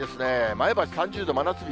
前橋３０度、真夏日。